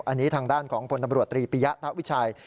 อันนี้ทางด้านของพลตำรวจตรีปิยะตะวิชัย